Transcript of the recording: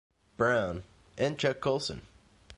Brown, and Chuck Colson.